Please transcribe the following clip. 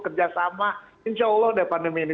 kerjasama insya allah deh pandemi ini